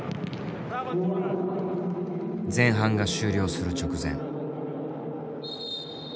前半が終了する直前。